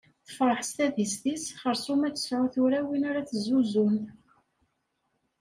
Tefreḥ s tadist-is, xerṣum ad tesɛu tura win ara tezzuzen.